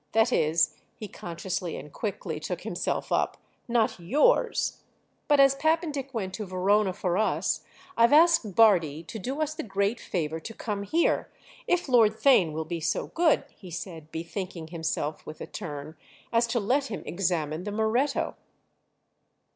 That is"—he consciously and quickly took himself up—"not yours! But as Pap pendick went to Verona for us I've asked Bardi to do us the great favour to come here—if Lord Theign will be so good," he said, bethinking himself with a turn, "as to let him examine the Moretto."